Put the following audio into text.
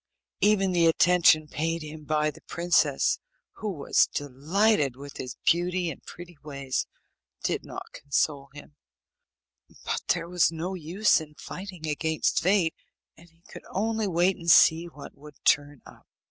Even the attention paid him by the princess, who was delighted with his beauty and pretty ways, did not console him, but there was no use in fighting against fate, and he could only wait and see what would turn up.